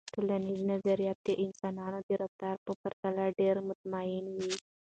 ټولنیز نظریات د انسانانو د رفتار په پرتله ډیر مطمئن وي.